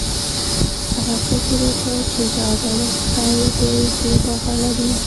هغه فکر وکړ چې دا بل سپی دی چې غوښه لري.